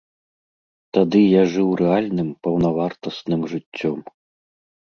Тады я жыў рэальным, паўнавартасным жыццём.